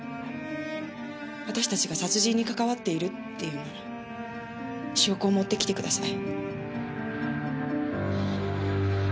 私たちが殺人にかかわっているっていうなら証拠を持ってきてください。